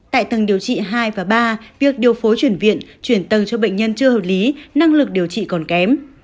tại tầng điều trị hai và ba việc điều phối chuyển viện chuyển tầng cho bệnh nhân chưa hợp lý năng lực điều trị còn kém